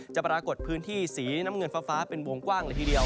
ปรากฏพื้นที่สีน้ำเงินฟ้าเป็นวงกว้างเลยทีเดียว